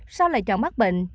sao lại chọn mắc bệnh